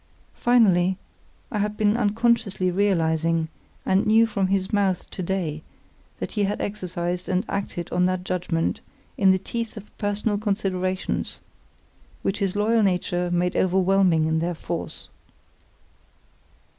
Finally, I had been unconsciously realising, and knew from his mouth to day, that he had exercised and acted on that judgement in the teeth of personal considerations, which his loyal nature made overwhelming in their force.